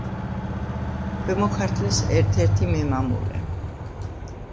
ქვემო ქართლის ერთ-ერთი მემამულე.